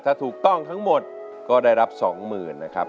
ถ้าถูกต้องทั้งหมดก็ได้รับ๒๐๐๐นะครับ